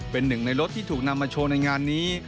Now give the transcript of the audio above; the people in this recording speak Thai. เป็นหนึ่งในรถที่ถูกนำมาโชว์ในงานนี้